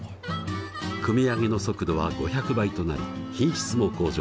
組み上げの速度は５００倍となり品質も向上。